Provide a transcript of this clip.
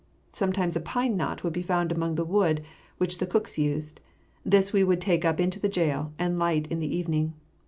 Sometimes a pine knot would be found among the wood which the cooks used. This we would take up into the jail and light in the evening.